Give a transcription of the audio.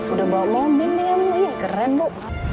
udah bawa momen nih amat ya keren bu